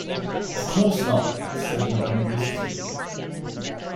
"Of course not," said madame briskly.